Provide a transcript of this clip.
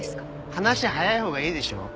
話早い方がいいでしょ？